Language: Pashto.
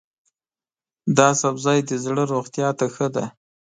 دا سبزی د زړه روغتیا ته ښه دی.